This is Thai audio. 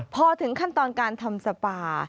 พอถึงขั้นตอนการทำสปา